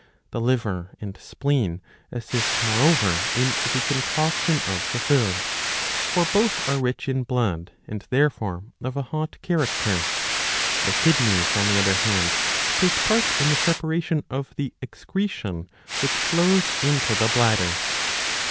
The liver and spleen assist moreover in the concoction of the food ; for both are rich in blood,^^ and therefore of a hot character. The kidneys on the other hand take part in the separation of the excretion which flows into the bladder.